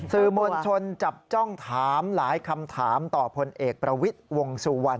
สื่อมวลชนจับจ้องถามหลายคำถามต่อพลเอกประวิทย์วงสุวรรณ